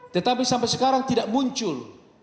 tetapi sampai sekarang tidak muncul